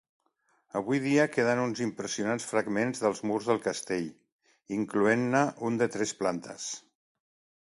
Avui dia queden uns impressionants fragments dels murs del castell, incloent-ne un de tres plantes.